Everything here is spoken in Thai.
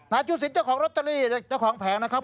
จูสินเจ้าของลอตเตอรี่เจ้าของแผงนะครับ